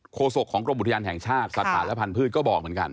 โศกของกรมอุทยานแห่งชาติสัตว์ป่าและพันธุ์ก็บอกเหมือนกัน